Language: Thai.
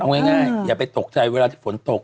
เอาง่ายอย่าไปตกใจเวลาที่ฝนตก